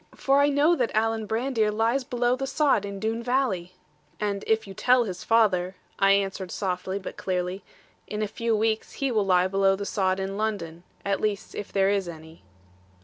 For I know that Alan Brandir lies below the sod in Doone valley.' 'And if you tell his father,' I answered softly, but clearly, 'in a few weeks he will lie below the sod in London; at least if there is any.'